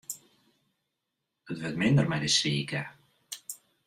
It wurdt minder mei de sike.